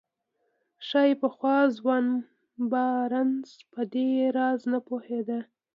ښايي پخوا ځوان بارنس په دې راز نه پوهېده.